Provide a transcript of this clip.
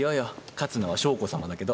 勝つのは将子さまだけど。